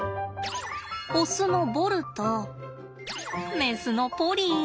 オスのボルとメスのポリー。